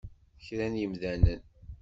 Kra n yemdanen!